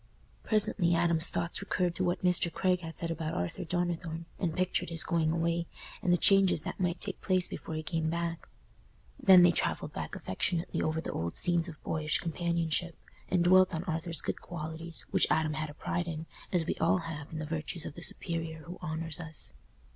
Presently Adam's thoughts recurred to what Mr. Craig had said about Arthur Donnithorne, and pictured his going away, and the changes that might take place before he came back; then they travelled back affectionately over the old scenes of boyish companionship, and dwelt on Arthur's good qualities, which Adam had a pride in, as we all have in the virtues of the superior who honours us.